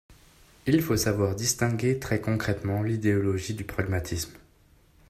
Il faut savoir distinguer très concrètement l’idéologie du pragmatisme.